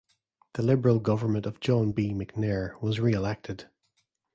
The Liberal government of John B. McNair was re-elected.